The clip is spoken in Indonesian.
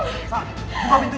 kayak gini kayak ntera